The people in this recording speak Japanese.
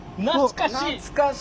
懐かしい！